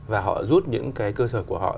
và họ rút những cái cơ sở của họ